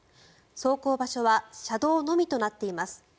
走行場所は車道のみとなっています。